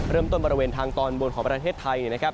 บริเวณทางตอนบนของประเทศไทยนะครับ